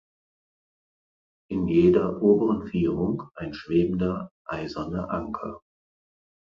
In jeder oberen Vierung ein schwebender eiserner Anker.